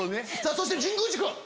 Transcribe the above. そして神宮寺君！